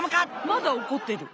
まだおこってる。